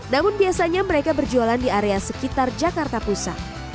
namun biasanya mereka berjualan di area sekitar jakarta pusat